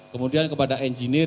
kemudian kepada engineer